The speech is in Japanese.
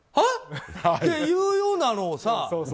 っていうようなのをさ